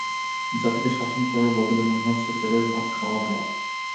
জাতিকে শাসন করার বদলে মনে হচ্ছে জেলের ভাত খাওয়া লাগবে।